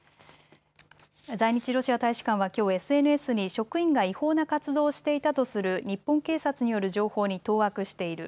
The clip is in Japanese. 在日ロシア大使館はきょうＳＮＳに職員が違法な活動をしていたとする日本警察による情報に当惑している。